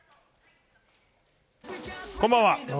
こんばんは。